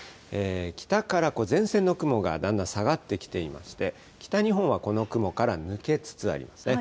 北から前線の雲がだんだん下がってきていまして、北日本はこの雲から抜けつつありますね。